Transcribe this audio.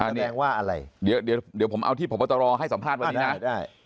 แสดงว่าอะไรเดี๋ยวเดี๋ยวผมเอาที่พบตรให้สัมภาษณ์วันนี้นะ